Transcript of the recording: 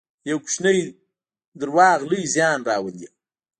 یو کوچنی دروغ لوی زیان راولي.